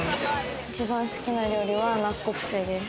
一番好きな料理はナッコプセです。